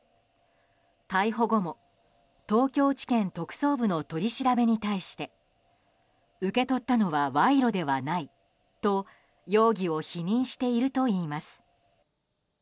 逮捕後も、東京地検特捜部の取り調べに対して受け取ったのは賄賂ではないと容疑を否認しているといいます。